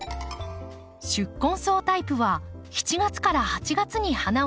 宿根草タイプは７月から８月に花を咲かせます。